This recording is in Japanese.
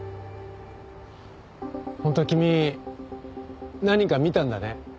本当は君何か見たんだね？